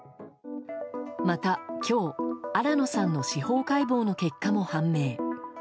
また今日新野さんの司法解剖の結果も判明。